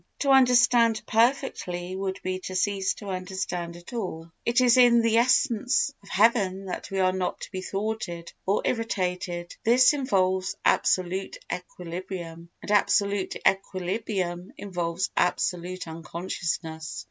To understand perfectly would be to cease to understand at all. It is in the essence of heaven that we are not to be thwarted or irritated, this involves absolute equilibrium and absolute equilibrium involves absolute unconsciousness.